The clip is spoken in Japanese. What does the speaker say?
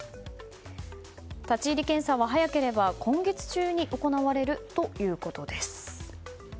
立ち入り検査は早ければ今月中に行われるということです。